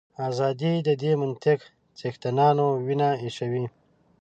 ازادي د دې منطق څښتنانو وینه ایشوي.